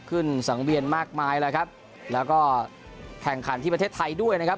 ขึ้นสังเวียนมากมายแล้วครับแล้วก็แข่งขันที่ประเทศไทยด้วยนะครับ